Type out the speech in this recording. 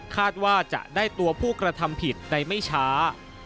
ว่าจะได้ตัวผู้กระทำผิดในไม่ช้า